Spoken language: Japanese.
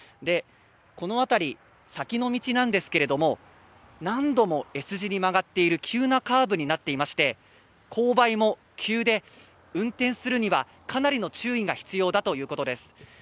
この辺り、先の道なんですが何度もＳ字に曲がっている急なカーブになっていまして、勾配も急で、運転するには、かなりの注意が必要だということです。